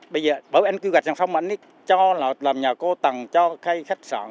bây giờ bởi vì anh kế hoạch dòng sông mà anh ấy làm nhà cô tầng cho khách sạn